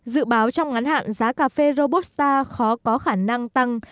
dự báo trong ngắn hạn giá cà phê robusta khó có khả năng tăng